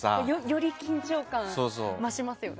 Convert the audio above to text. より緊張感増しますよね。